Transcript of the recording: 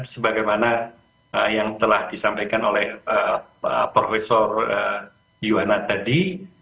sebagaimana yang telah disampaikan oleh profesor yuwana tadi